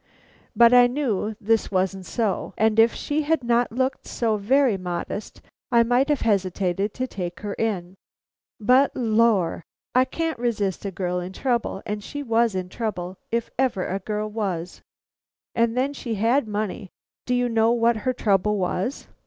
"But I knew this wasn't so; and if she had not looked so very modest, I might have hesitated to take her in. But, lor! I can't resist a girl in trouble, and she was in trouble, if ever a girl was. And then she had money Do you know what her trouble was?"